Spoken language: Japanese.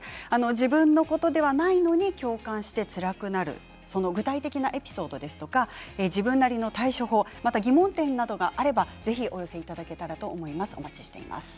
自分のことではないのに共感してつらくなる具体的なエピソードや自分なりの対処法、疑問点などがあればお寄せください。